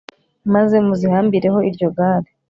maze muzihambireho iryo gare